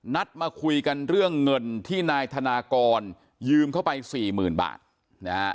นัดมาคุยกันเรื่องเงินที่นายธนากรยืมเข้าไปสี่หมื่นบาทนะฮะ